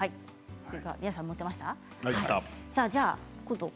皆さん持てした。